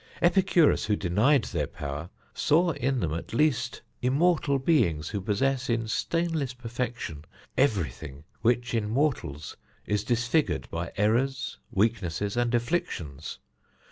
Epicurus, who denied their power, saw in them at least immortal beings who possess in stainless perfection everything which in mortals is disfigured by errors, weaknesses, and afflictions.